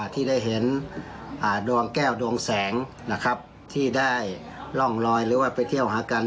ที่ได้เห็นดวงแก้วดวงแสงนะครับที่ได้ร่องลอยหรือว่าไปเที่ยวหากัน